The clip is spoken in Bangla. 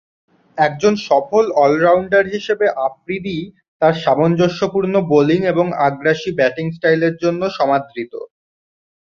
একজন সফল অলরাউন্ডার হিসেবে আফ্রিদি তার সামঞ্জস্যপূর্ণ বোলিং এবং আগ্রাসী ব্যাটিং স্টাইলের জন্য সমাদৃত।